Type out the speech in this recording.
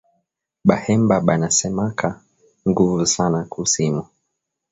Bahemba banasemaka nguvu sana ku simu